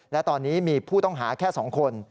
และตอนนี้มีผู้ต้องหาแค่๒คน